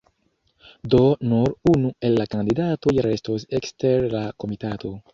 Do nur unu el la kandidatoj restos ekster la komitato.